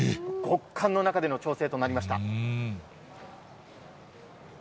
極寒の中での調整となりました。